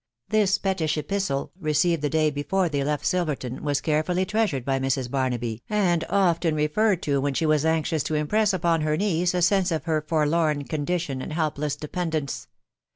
This pettish epistle, received the day before they left Silver ton, was carefully treasured by Mrs. Barnaby, and often referred to when she was anxious to impress on her niece a sense of her forlorn condition and helpless dependence.